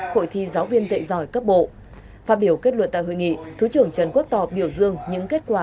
hội thi giáo viên dạy giỏi cấp bộ phát biểu kết luận tại hội nghị thứ trưởng trần quốc tò biểu dương những kết quả